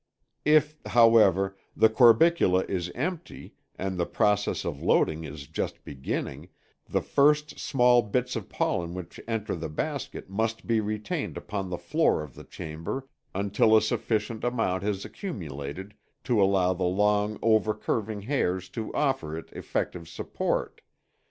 If, however, the corbicula is empty and the process of loading is just beginning, the first small bits of pollen which enter the basket must be retained upon the floor of the chamber until a sufficient amount has accumulated to allow the long overcurving hairs to offer it effective support.